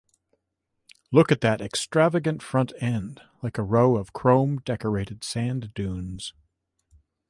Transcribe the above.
Look at that extravagant front end, like a row of chrome-decorated sand dunes.